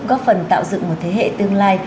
góp phần tạo dựng một thế hệ tương lai